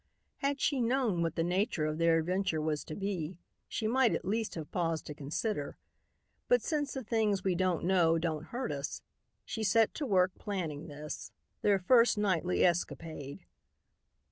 Had she known what the nature of their adventure was to be, she might at least have paused to consider, but since the things we don't know don't hurt us, she set to work planning this, their first nightly escapade.